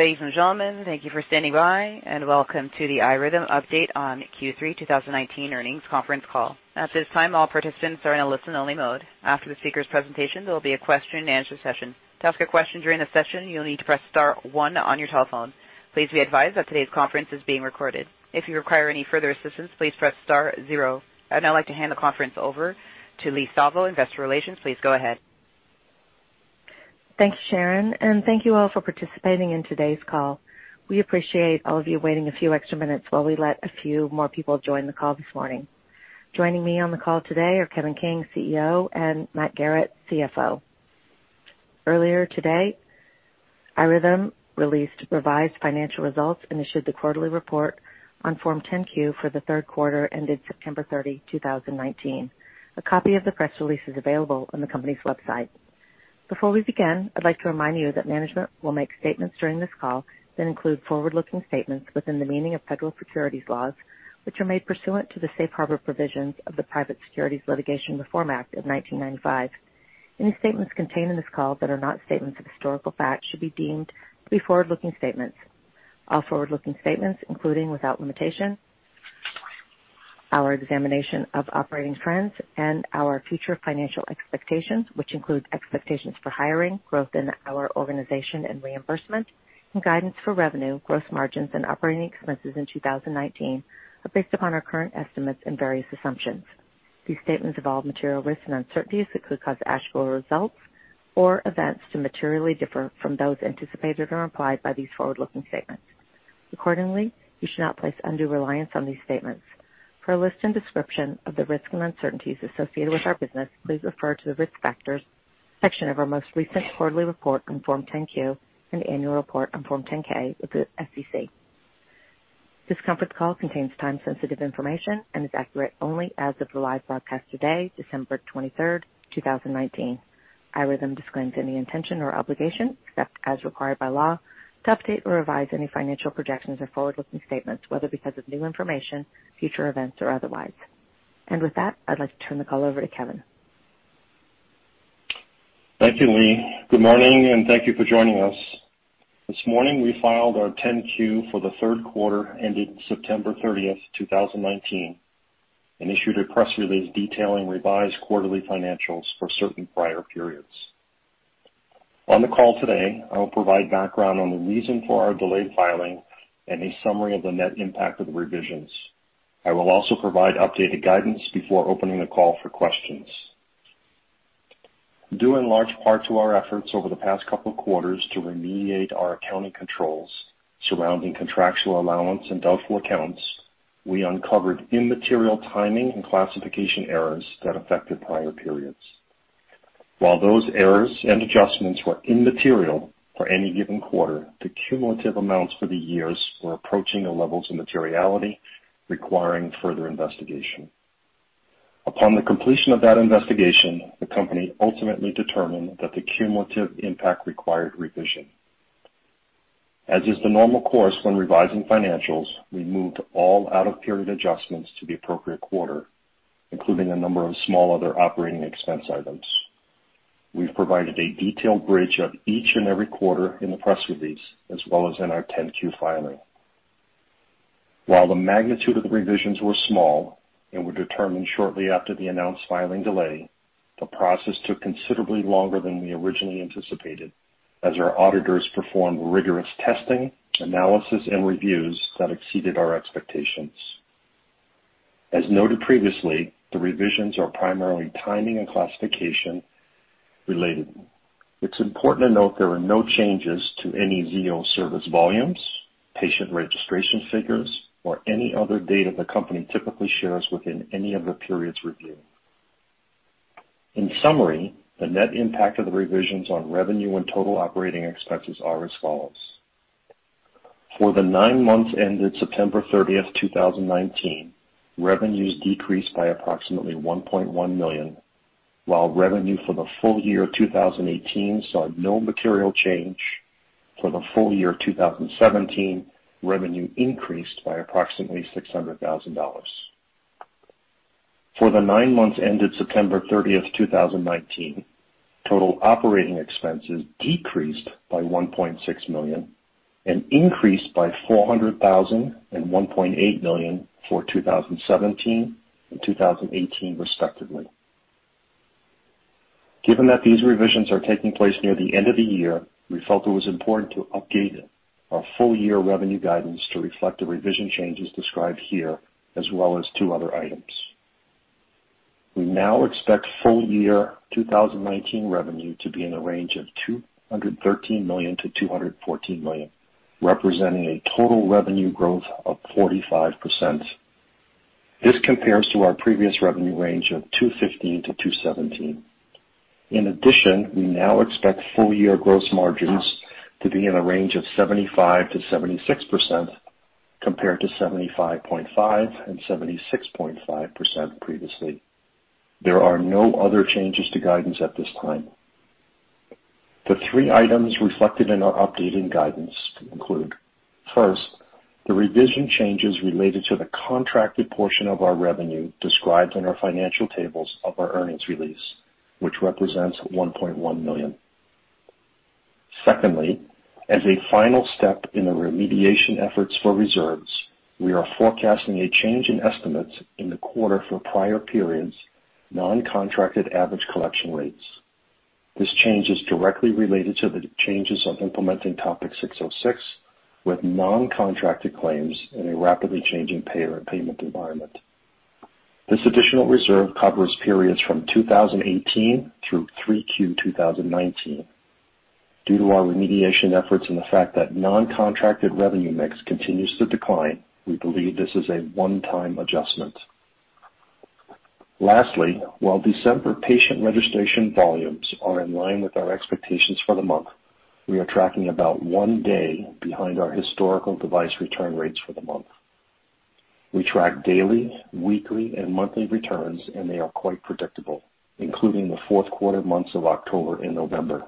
Ladies and gentlemen, thank you for standing by, and welcome to the iRhythm update on Q3 2019 earnings conference call. At this time, all participants are in a listen-only mode. After the speaker's presentation, there will be a question-and-answer session. To ask a question during the session, you'll need to press star one on your telephone. Please be advised that today's conference is being recorded. If you require any further assistance, please press star zero. I'd now like to hand the conference over to Lee Savo, investor relations. Please go ahead. Thank you, Sharon, thank you all for participating in today's call. We appreciate all of you waiting a few extra minutes while we let a few more people join the call this morning. Joining me on the call today are Kevin King, CEO, and Matt Garrett, CFO. Earlier today, iRhythm released revised financial results and issued the quarterly report on Form 10-Q for the third quarter ended September 30, 2019. A copy of the press release is available on the company's website. Before we begin, I'd like to remind you that management will make statements during this call that include forward-looking statements within the meaning of federal securities laws, which are made pursuant to the safe harbor provisions of the Private Securities Litigation Reform Act of 1995. Any statements contained in this call that are not statements of historical fact should be deemed to be forward-looking statements. All forward-looking statements, including without limitation, our examination of operating trends and our future financial expectations, which include expectations for hiring, growth in our organization and reimbursement, and guidance for revenue, gross margins, and operating expenses in 2019, are based upon our current estimates and various assumptions. These statements involve material risks and uncertainties that could cause actual results or events to materially differ from those anticipated or implied by these forward-looking statements. Accordingly, you should not place undue reliance on these statements. For a list and description of the risks and uncertainties associated with our business, please refer to the risk factors section of our most recent quarterly report on Form 10-Q and annual report on Form 10-K with the SEC. This conference call contains time-sensitive information and is accurate only as of the live broadcast today, December 23rd, 2019. iRhythm disclaims any intention or obligation, except as required by law, to update or revise any financial projections or forward-looking statements, whether because of new information, future events, or otherwise. With that, I'd like to turn the call over to Kevin. Thank you, Lee. Good morning, and thank you for joining us. This morning, we filed our 10-Q for the third quarter ended September 30th, 2019, and issued a press release detailing revised quarterly financials for certain prior periods. On the call today, I will provide background on the reason for our delayed filing and a summary of the net impact of the revisions. I will also provide updated guidance before opening the call for questions. Due in large part to our efforts over the past couple of quarters to remediate our accounting controls surrounding contractual allowance and doubtful accounts, we uncovered immaterial timing and classification errors that affected prior periods. While those errors and adjustments were immaterial for any given quarter, the cumulative amounts for the years were approaching the levels of materiality requiring further investigation. Upon the completion of that investigation, the company ultimately determined that the cumulative impact required revision. As is the normal course when revising financials, we moved all out-of-period adjustments to the appropriate quarter, including a number of small other operating expense items. We've provided a detailed bridge of each and every quarter in the press release as well as in our 10-Q filing. While the magnitude of the revisions were small and were determined shortly after the announced filing delay, the process took considerably longer than we originally anticipated as our auditors performed rigorous testing, analysis, and reviews that exceeded our expectations. As noted previously, the revisions are primarily timing and classification related. It's important to note there are no changes to any Zio Service volumes, patient registration figures, or any other data the company typically shares within any of the periods reviewed. In summary, the net impact of the revisions on revenue and total operating expenses are as follows. For the nine months ended September 30th, 2019, revenues decreased by approximately $1.1 million, while revenue for the full year 2018 saw no material change. For the full year 2017, revenue increased by approximately $600,000. For the nine months ended September 30th, 2019, total operating expenses decreased by $1.6 million and increased by $400,000 and $1.8 million for 2017 and 2018 respectively. Given that these revisions are taking place near the end of the year, we felt it was important to update our full-year revenue guidance to reflect the revision changes described here as well as two other items. We now expect full-year 2019 revenue to be in the range of $213 million-$214 million, representing a total revenue growth of 45%. This compares to our previous revenue range of $215 million-$217 million. We now expect full-year gross margins to be in a range of 75%-76%, compared to 75.5%-76.5% previously. There are no other changes to guidance at this time. The three items reflected in our updated guidance include: First, the revision changes related to the contracted portion of our revenue described in our financial tables of our earnings release, which represents $1.1 million. Secondly, as a final step in the remediation efforts for reserves, we are forecasting a change in estimates in the quarter for prior periods' non-contracted average collection rates. This change is directly related to the changes of implementing Topic 606 with non-contracted claims in a rapidly changing payer and payment environment. This additional reserve covers periods from 2018 through 3Q 2019. Due to our remediation efforts and the fact that non-contracted revenue mix continues to decline, we believe this is a one-time adjustment. Lastly, while December patient registration volumes are in line with our expectations for the month, we are tracking about one day behind our historical device return rates for the month. We track daily, weekly, and monthly returns, and they are quite predictable, including the fourth quarter months of October and November.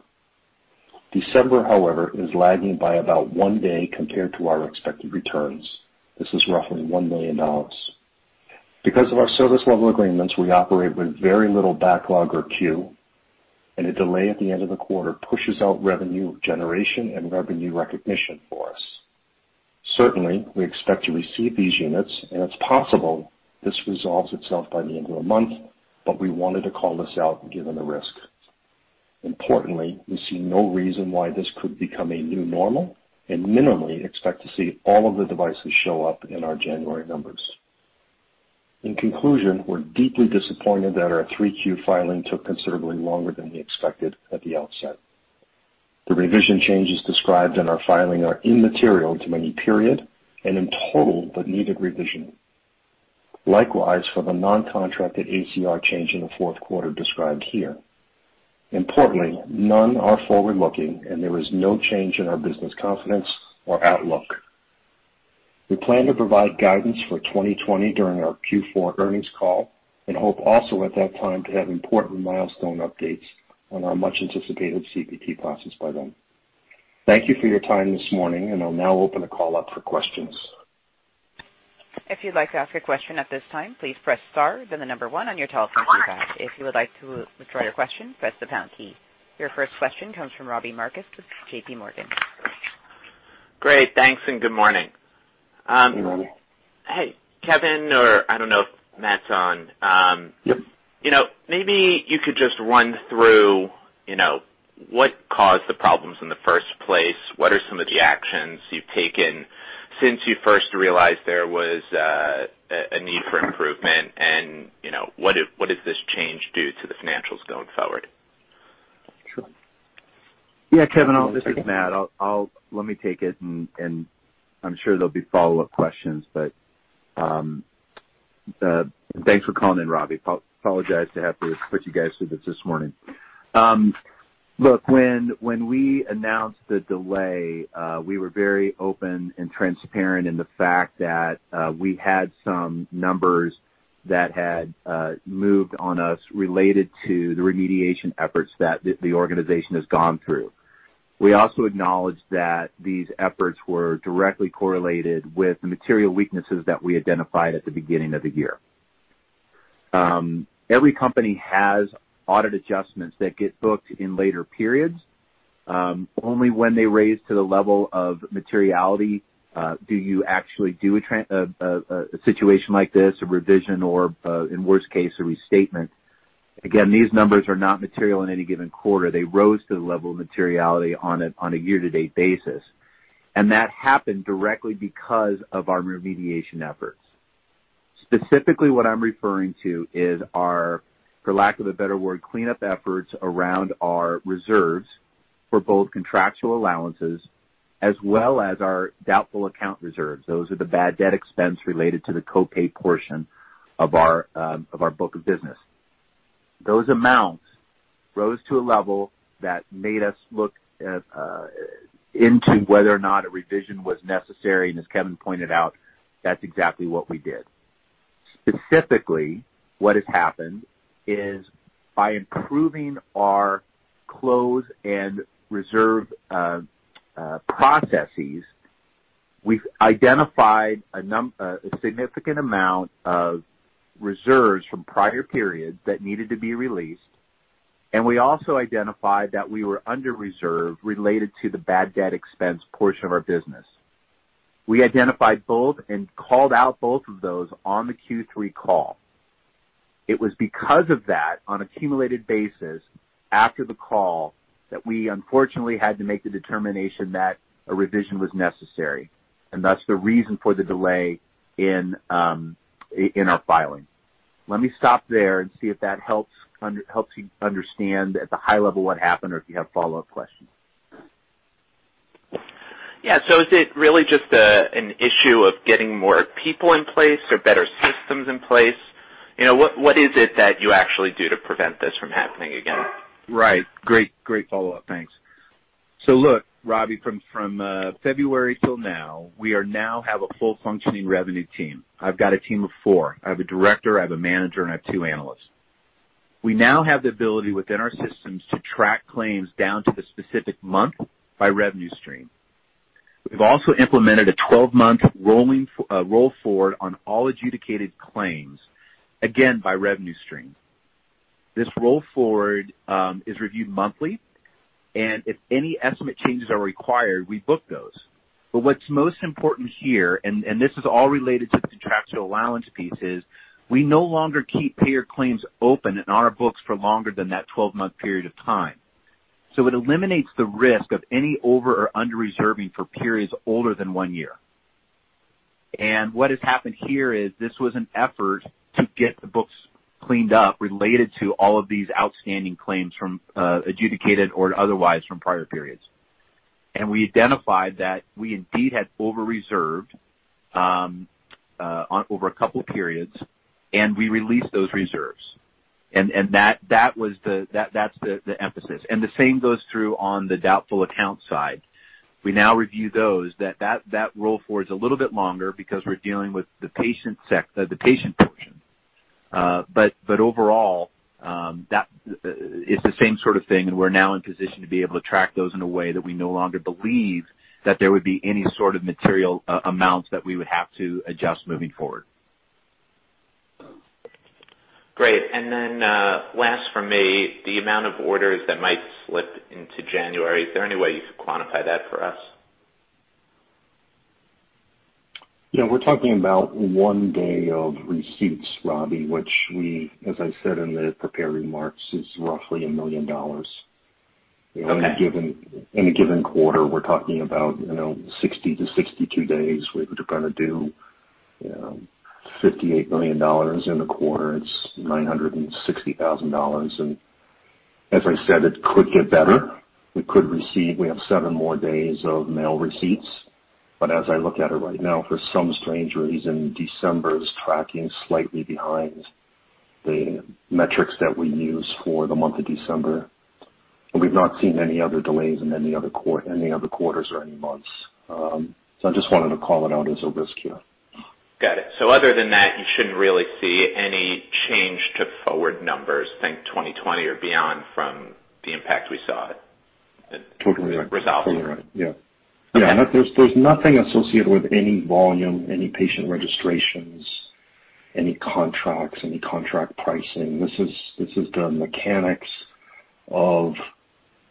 December, however, is lagging by about one day compared to our expected returns. This is roughly $1 million. Because of our service level agreements, we operate with very little backlog or queue, and a delay at the end of the quarter pushes out revenue generation and revenue recognition for us. Certainly, we expect to receive these units, and it's possible this resolves itself by the end of the month, but we wanted to call this out given the risk. Importantly, we see no reason why this could become a new normal, and minimally expect to see all of the devices show up in our January numbers. In conclusion, we're deeply disappointed that our 3Q filing took considerably longer than we expected at the outset. The revision changes described in our filing are immaterial to any period and in total but needed revision. Likewise, for the non-contracted ACR change in the fourth quarter described here. Importantly, none are forward-looking, and there is no change in our business confidence or outlook. We plan to provide guidance for 2020 during our Q4 earnings call and hope also at that time to have important milestone updates on our much-anticipated CPT classes by then. Thank you for your time this morning. I'll now open the call up for questions. If you'd like to ask a question at this time, please press star, then the number one on your telephone keypad. If you would like to withdraw your question, press the pound key. Your first question comes from Robbie Marcus with JPMorgan. Great. Thanks, good morning. Good morning. Hey, Kevin, or I don't know if Matt's on. Yep. Maybe you could just run through what caused the problems in the first place. What are some of the actions you've taken since you first realized there was a need for improvement? What does this change do to the financials going forward? Sure. Yeah, Kevin, this is Matt. Let me take it, and I'm sure there'll be follow-up questions, but thanks for calling in, Robbie. I apologize to have to put you guys through this morning. Look, when we announced the delay, we were very open and transparent in the fact that we had some numbers that had moved on us related to the remediation efforts that the organization has gone through. We also acknowledged that these efforts were directly correlated with the material weaknesses that we identified at the beginning of the year. Every company has audit adjustments that get booked in later periods. Only when they raise to the level of materiality, do you actually do a situation like this, a revision, or in worst case, a restatement. Again, these numbers are not material in any given quarter. They rose to the level of materiality on a year-to-date basis. That happened directly because of our remediation efforts. Specifically, what I'm referring to is our, for lack of a better word, cleanup efforts around our reserves for both contractual allowances as well as our doubtful account reserves. Those are the bad debt expense related to the co-pay portion of our book of business. Those amounts rose to a level that made us look into whether or not a revision was necessary. As Kevin pointed out, that's exactly what we did. Specifically, what has happened is by improving our close and reserve processes, we've identified a significant amount of reserves from prior periods that needed to be released. We also identified that we were under-reserve related to the bad debt expense portion of our business. We identified both and called out both of those on the Q3 call. It was because of that, on accumulated basis, after the call, that we unfortunately had to make the determination that a revision was necessary, and that's the reason for the delay in our filing. Let me stop there and see if that helps you understand at the high level what happened, or if you have follow-up questions. Yeah. Is it really just an issue of getting more people in place or better systems in place? What is it that you actually do to prevent this from happening again? Right. Great follow-up. Thanks. Look, Robbie, from February till now, we now have a full functioning revenue team. I've got a team of four. I have a director, I have a manager, and I have two analysts. We now have the ability within our systems to track claims down to the specific month by revenue stream. We've also implemented a 12-month roll forward on all adjudicated claims, again, by revenue stream. This roll forward is reviewed monthly, and if any estimate changes are required, we book those. What's most important here, and this is all related to the contractual allowance piece, is we no longer keep payer claims open in our books for longer than that 12-month period of time. It eliminates the risk of any over or under reserving for periods older than one year. What has happened here is this was an effort to get the books cleaned up related to all of these outstanding claims from adjudicated or otherwise from prior periods. We identified that we indeed had over-reserved over a couple periods, and we released those reserves. That's the emphasis. The same goes through on the doubtful account side. We now review those. That roll forward is a little bit longer because we're dealing with the patient portion. Overall, it's the same sort of thing, and we're now in position to be able to track those in a way that we no longer believe that there would be any sort of material amounts that we would have to adjust moving forward. Great. Last from me, the amount of orders that might slip into January, is there any way you could quantify that for us? Yeah, we're talking about one day of receipts, Robbie, which we, as I said in the prepared remarks, is roughly $1 million. Okay. In a given quarter, we're talking about 60 to 62 days. We're going to do $58 million in the quarter. It's $960,000. As I said, it could get better. We have seven more days of mail receipts. As I look at it right now, for some strange reason, December is tracking slightly behind the metrics that we use for the month of December. We've not seen any other delays in any other quarters or any months. I just wanted to call it out as a risk here. Got it. Other than that, you shouldn't really see any change to forward numbers, think 2020 or beyond, from the impact we saw resolved. Totally right. Yeah. There's nothing associated with any volume, any patient registrations, any contracts, any contract pricing. This is the mechanics of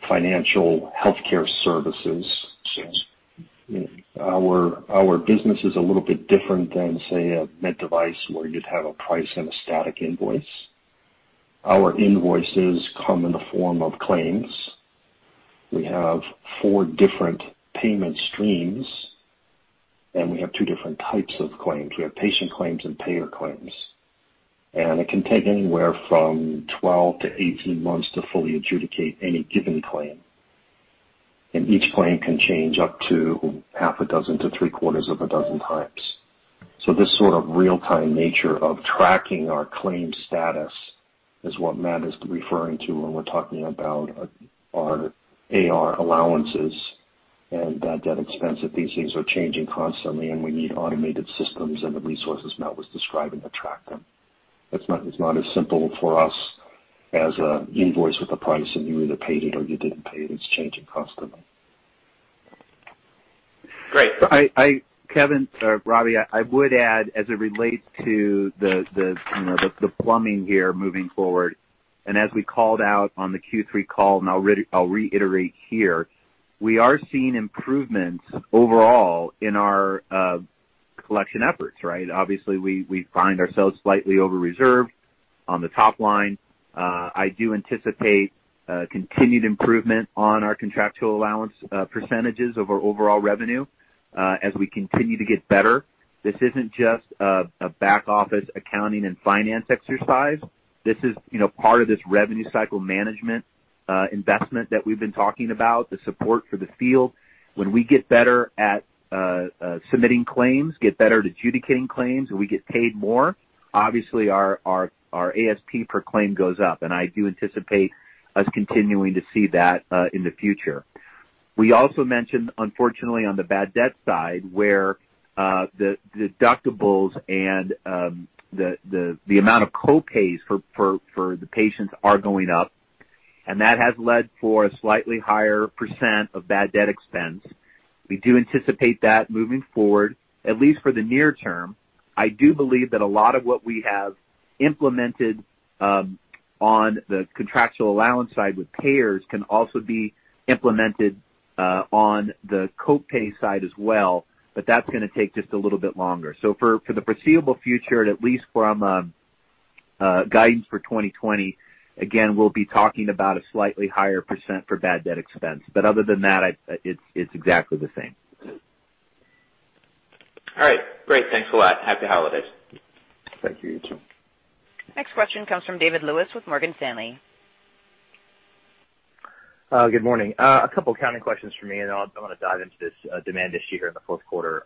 financial healthcare services. Sure. Our business is a little bit different than, say, a med device where you'd have a price and a static invoice. Our invoices come in the form of claims. We have four different payment streams, we have 2 different types of claims. We have patient claims and payer claims. It can take anywhere from 12 to 18 months to fully adjudicate any given claim. Each claim can change up to half a dozen to three-quarters of a dozen times. This sort of real-time nature of tracking our claim status is what Matt is referring to when we're talking about our AR allowances and bad debt expense, that these things are changing constantly, and we need automated systems and the resources Matt was describing to track them. It's not as simple for us as an invoice with a price, and you either paid it or you didn't pay it. It's changing constantly. Great. Robbie, I would add, as it relates to the plumbing here moving forward, as we called out on the Q3 call, and I'll reiterate here, we are seeing improvements overall in our collection efforts, right? Obviously, we find ourselves slightly over-reserved on the top line. I do anticipate continued improvement on our contractual allowance percentages of our overall revenue as we continue to get better. This isn't just a back-office accounting and finance exercise. This is part of this revenue cycle management investment that we've been talking about, the support for the field. When we get better at submitting claims, get better at adjudicating claims, and we get paid more, obviously our ASP per claim goes up, and I do anticipate us continuing to see that in the future. We also mentioned, unfortunately, on the bad debt side, where the deductibles and the amount of copays for the patients are going up. That has led for a slightly higher % of bad debt expense. We do anticipate that moving forward, at least for the near term. I do believe that a lot of what we have implemented on the contractual allowance side with payers can also be implemented on the copay side as well. That's going to take just a little bit longer. For the foreseeable future, and at least from a guidance for 2020, again, we'll be talking about a slightly higher % for bad debt expense. Other than that, it's exactly the same. All right. Great. Thanks a lot. Happy holidays. Thank you. You too. Next question comes from David Lewis with Morgan Stanley. Good morning. A couple accounting questions for me, I want to dive into this demand issue here in the fourth quarter.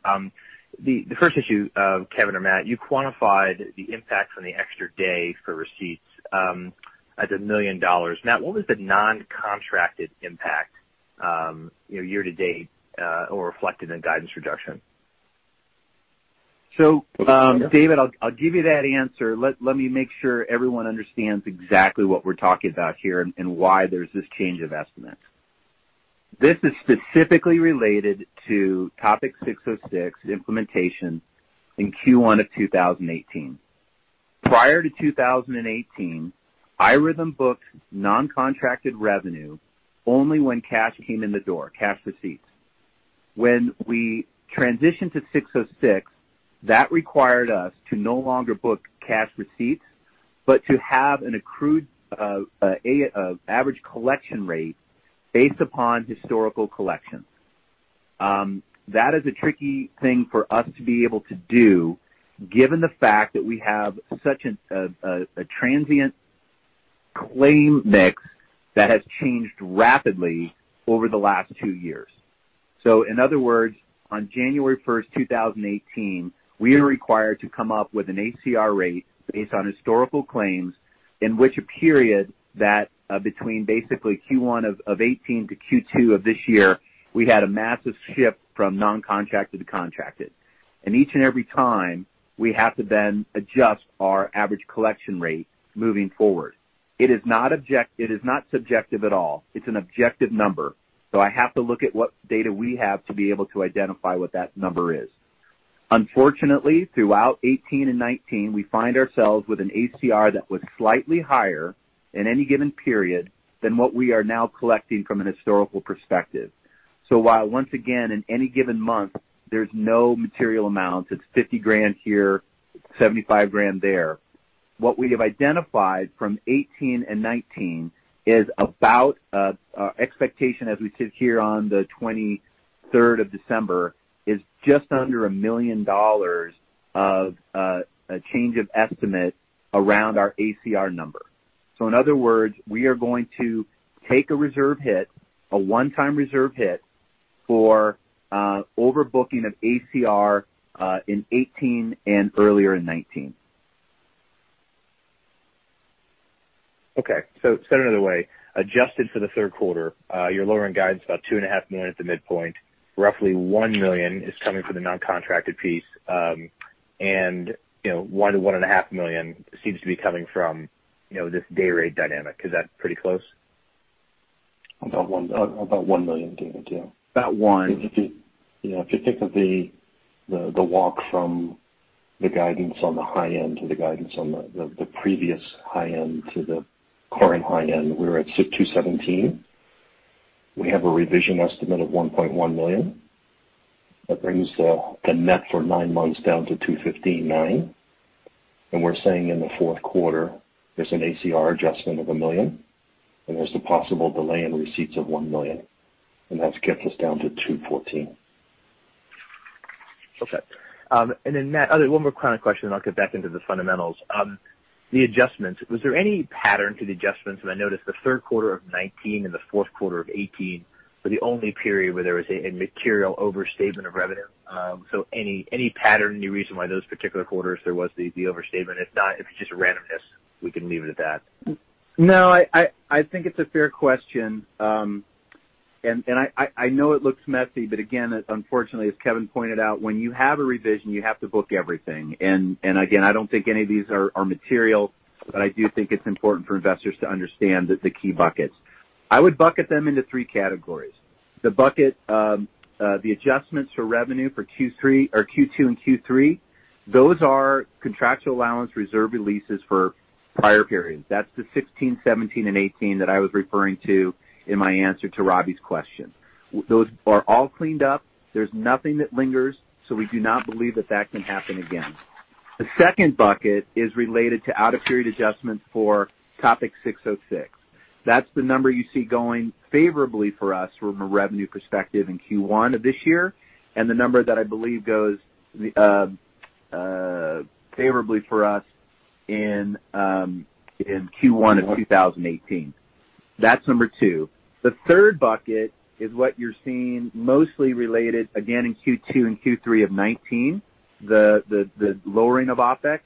The first issue, Kevin or Matt, you quantified the impact from the extra day for receipts as $1 million. Matt, what was the non-contracted impact year to date or reflected in guidance reduction? David, I'll give you that answer. Let me make sure everyone understands exactly what we're talking about here and why there's this change of estimate. This is specifically related to Topic 606 implementation in Q1 of 2018. Prior to 2018, iRhythm booked non-contracted revenue only when cash came in the door, cash receipts. When we transitioned to 606, that required us to no longer book cash receipts, but to have an accrued average collection rate based upon historical collections. That is a tricky thing for us to be able to do given the fact that we have such a transient claim mix that has changed rapidly over the last two years. In other words, on January 1st, 2018, we are required to come up with an ACR rate based on historical claims in which a period that between basically Q1 of 2018 to Q2 of this year, we had a massive shift from non-contracted to contracted. Each and every time, we have to then adjust our average collection rate moving forward. It is not subjective at all. It's an objective number. I have to look at what data we have to be able to identify what that number is. Unfortunately, throughout 2018 and 2019, we find ourselves with an ACR that was slightly higher in any given period than what we are now collecting from a historical perspective. While once again, in any given month, there's no material amount, it's $50,000 here, $75,000 there. What we have identified from 2018 and 2019 is about expectation, as we sit here on the 23rd of December, is just under $1 million of change of estimate around our ACR number. In other words, we are going to take a reserve hit, a one-time reserve hit for overbooking of ACR in 2018 and earlier in 2019. Okay. Said another way, adjusted for the third quarter, you're lowering guidance about $two and a half million at the midpoint. Roughly $1 million is coming from the non-contracted piece. One to $one and a half million seems to be coming from this day rate dynamic. Is that pretty close? About $1 million, David. Yeah. About one. If you think of the walk from the guidance on the high end to the guidance on the previous high end to the current high end, we're at $217. We have a revision estimate of $1.1 million. That brings the net for nine months down to $215.9. We're saying in the fourth quarter, there's an ACR adjustment of $1 million. There's the possible delay in receipts of $1 million. That gets us down to $214. Okay. Then Matt, one more chronic question, then I'll get back into the fundamentals. The adjustments, was there any pattern to the adjustments? I noticed the third quarter of 2019 and the fourth quarter of 2018 were the only period where there was a material overstatement of revenue. Any pattern, any reason why those particular quarters there was the overstatement? If not, if it's just randomness, we can leave it at that. No, I think it's a fair question. I know it looks messy, but again, unfortunately, as Kevin pointed out, when you have a revision, you have to book everything. Again, I don't think any of these are material, but I do think it's important for investors to understand the key buckets. I would bucket them into three categories. The bucket, the adjustments for revenue for Q2 and Q3, those are contractual allowance reserve releases for prior periods. That's the 2016, 2017, and 2018 that I was referring to in my answer to Robbie's question. Those are all cleaned up. There's nothing that lingers, so we do not believe that that can happen again. The second bucket is related to out-of-period adjustments for Topic 606. That's the number you see going favorably for us from a revenue perspective in Q1 of this year, and the number that I believe goes favorably for us in Q1 of 2018. That's number two. The third bucket is what you're seeing mostly related, again, in Q2 and Q3 of 2019, the lowering of Opex.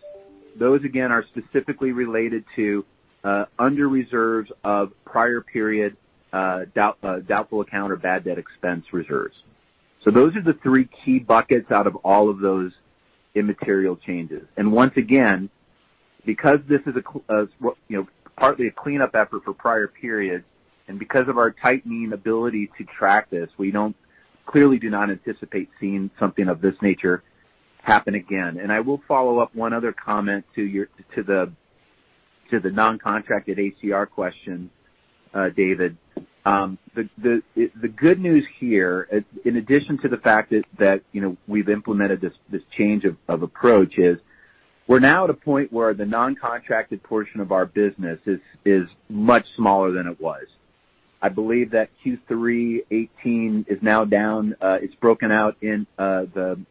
Those, again, are specifically related to under-reserves of prior period doubtful account or bad debt expense reserves. Those are the three key buckets out of all of those immaterial changes. Once again, because this is partly a cleanup effort for prior periods, and because of our tightening ability to track this, we clearly do not anticipate seeing something of this nature happen again. I will follow up one other comment to the non-contracted ACR question, David. The good news here, in addition to the fact that we've implemented this change of approach, is we're now at a point where the non-contracted portion of our business is much smaller than it was. I believe that Q3 2018 is now down. It's broken out in the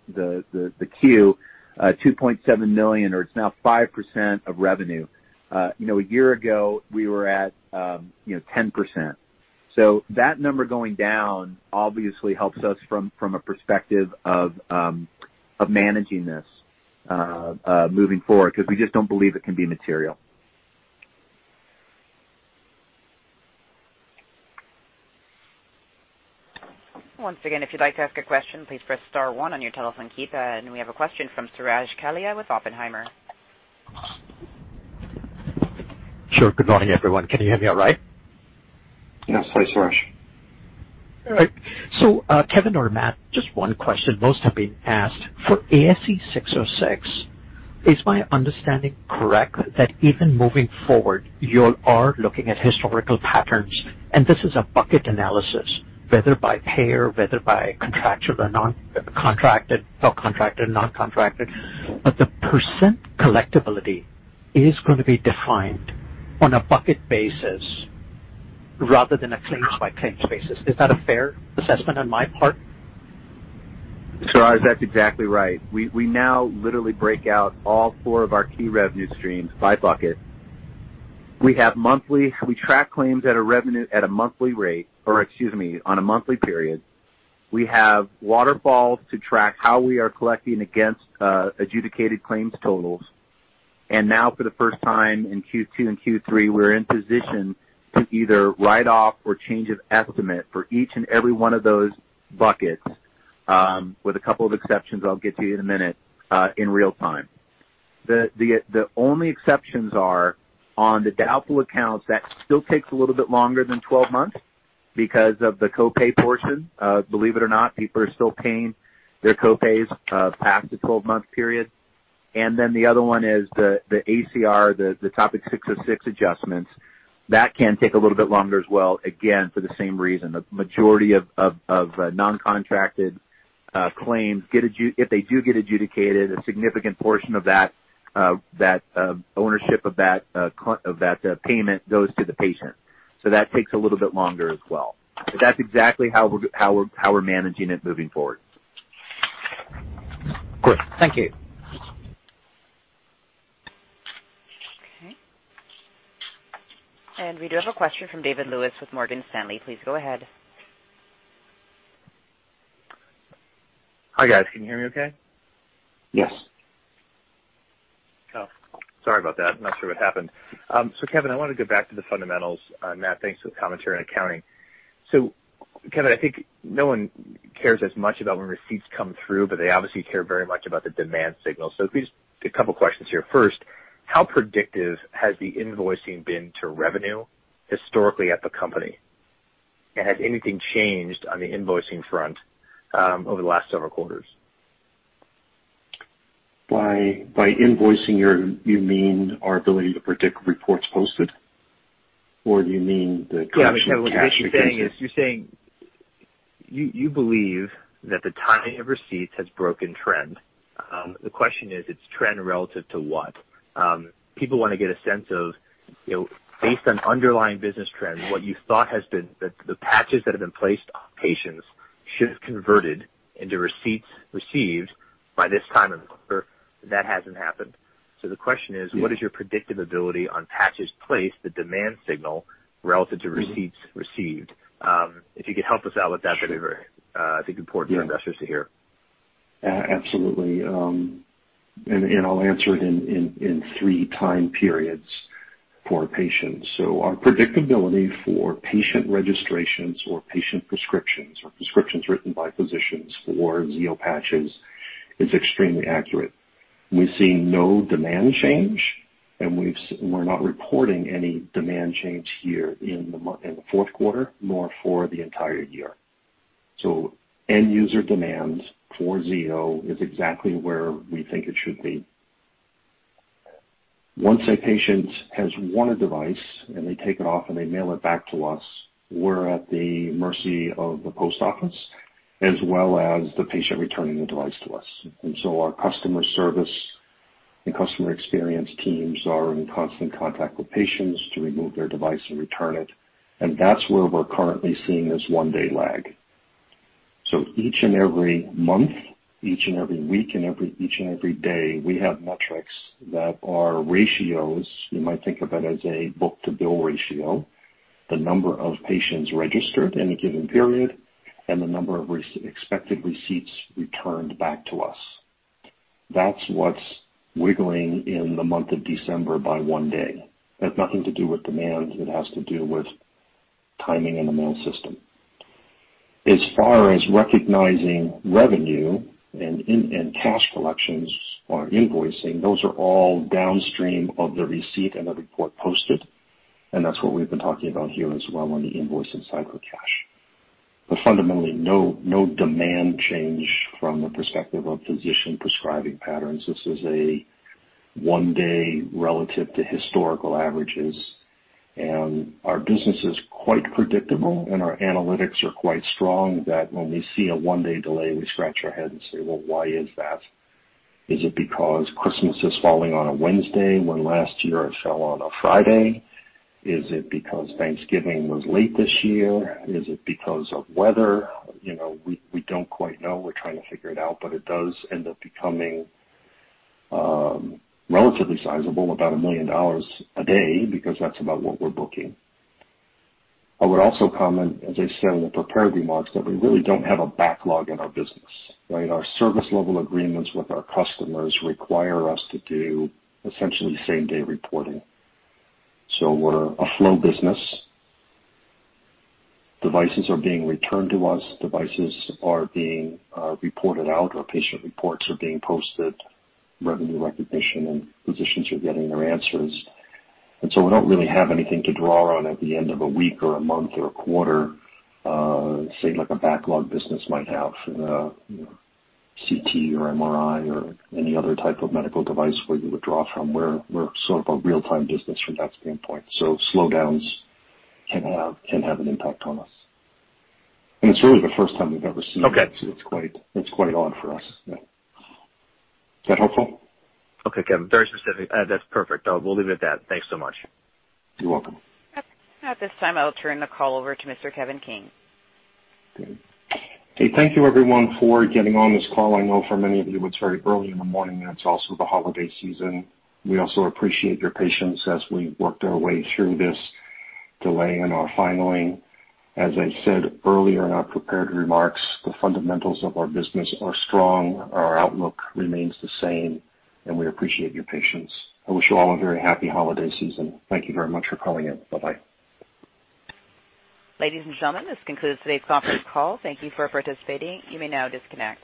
Q, $2.7 million, or it's now 5% of revenue. A year ago, we were at 10%. That number going down obviously helps us from a perspective of managing this moving forward, because we just don't believe it can be material. Once again, if you'd like to ask a question, please press star one on your telephone keypad. We have a question from Suraj Kalia with Oppenheimer. Sure. Good morning, everyone. Can you hear me all right? Yes. Sorry, Suraj. All right. Kevin or Matt, just one question. Most have been asked. For ASC 606, is my understanding correct that even moving forward, you are looking at historical patterns, and this is a bucket analysis, whether by payer, whether by contracted or non-contracted. The % collectability is going to be defined on a bucket basis rather than a claims-by-claims basis. Is that a fair assessment on my part? Suraj, that's exactly right. We now literally break out all four of our key revenue streams by bucket. We track claims at a monthly rate, or excuse me, on a monthly period. We have waterfalls to track how we are collecting against adjudicated claims totals. Now for the first time in Q2 and Q3, we're in position to either write off or change of estimate for each and every one of those buckets, with a couple of exceptions I'll get to in a minute, in real time. The only exceptions are on the doubtful accounts that still takes a little bit longer than 12 months because of the copay portion. Believe it or not, people are still paying their copays past the 12-month period. Then the other one is the ACR, the Topic 606 adjustments. That can take a little bit longer as well, again, for the same reason. The majority of non-contracted claims, if they do get adjudicated, a significant portion of ownership of that payment goes to the patient. That takes a little bit longer as well. That's exactly how we're managing it moving forward. Great. Thank you. Okay. We do have a question from David Lewis with Morgan Stanley. Please go ahead. Hi, guys. Can you hear me okay? Yes. Oh, sorry about that. Not sure what happened. Kevin, I want to go back to the fundamentals. Matt, thanks for the commentary on accounting. Kevin, I think no one cares as much about when receipts come through, they obviously care very much about the demand signal. Just a couple of questions here. First, how predictive has the invoicing been to revenue historically at the company? Has anything changed on the invoicing front over the last several quarters? By invoicing, you mean our ability to predict reports posted, or do you mean the collection of cash against it? Yeah. Kevin, what I think you're saying is, you believe that the timing of receipts has broken trend. The question is, it's trend relative to what? People want to get a sense of based on underlying business trends, what you thought has been the patches that have been placed on patients should have converted into receipts received by this time of the quarter. That hasn't happened. The question is, what is your predictive ability on patches placed, the demand signal, relative to receipts received? If you could help us out with that'd be, I think, important for investors to hear. Absolutely. I'll answer it in three time periods for patients. Our predictability for patient registrations or patient prescriptions or prescriptions written by physicians for Zio Patch is extremely accurate. We're seeing no demand change, and we're not reporting any demand change here in the fourth quarter, nor for the entire year. End user demand for Zio is exactly where we think it should be. Once a patient has one device and they take it off and they mail it back to us, we're at the mercy of the post office as well as the patient returning the device to us. Our customer service and customer experience teams are in constant contact with patients to remove their device and return it, and that's where we're currently seeing this one-day lag. Each and every month, each and every week, and each and every day, we have metrics that are ratios. You might think about as a book-to-bill ratio. The number of patients registered in a given period and the number of expected receipts returned back to us. That's what's wiggling in the month of December by one day. It has nothing to do with demand. It has to do with timing in the mail system. As far as recognizing revenue and cash collections or invoicing, those are all downstream of the receipt and the report posted, and that's what we've been talking about here as well on the invoicing cycle cash. Fundamentally, no demand change from the perspective of physician prescribing patterns. This is a one-day relative to historical averages. Our business is quite predictable, and our analytics are quite strong that when we see a one-day delay, we scratch our head and say, "Well, why is that?" Is it because Christmas is falling on a Wednesday when last year it fell on a Friday? Is it because Thanksgiving was late this year? Is it because of weather? We don't quite know. We're trying to figure it out, but it does end up becoming relatively sizable, about $1 million a day, because that's about what we're booking. I would also comment, as I said in the prepared remarks, that we really don't have a backlog in our business. Our service level agreements with our customers require us to do essentially same-day reporting. We're a flow business. Devices are being returned to us, devices are being reported out, or patient reports are being posted, revenue recognition, and physicians are getting their answers. We don't really have anything to draw on at the end of a week or a month or a quarter, say like a backlog business might have, CT or MRI or any other type of medical device where you would draw from. We're sort of a real-time business from that standpoint. Slowdowns can have an impact on us. It's really the first time we've ever seen it. Okay. It's quite odd for us. Is that helpful? Okay, Kevin. Very specific. That's perfect. We'll leave it at that. Thanks so much. You're welcome. At this time, I'll turn the call over to Mr. Kevin King. Okay. Thank you everyone for getting on this call. I know for many of you, it's very early in the morning, and it's also the holiday season. We also appreciate your patience as we worked our way through this delay in our filing. As I said earlier in our prepared remarks, the fundamentals of our business are strong. Our outlook remains the same, and we appreciate your patience. I wish you all a very happy holiday season. Thank you very much for calling in. Bye-bye. Ladies and gentlemen, this concludes today's conference call. Thank you for participating. You may now disconnect.